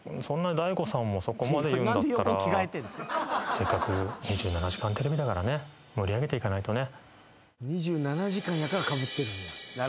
せっかく『２７時間テレビ』だからね盛り上げていかないとね。